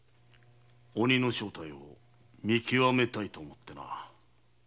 鬼の正体を見極めたいと思ってな。